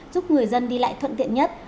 giúp người dân đi lại thuận tiện nhất